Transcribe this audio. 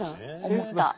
思った。